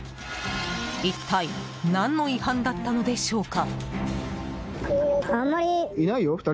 一体何の違反だったのでしょうか。